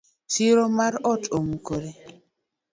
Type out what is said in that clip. Siro mar ot omukore.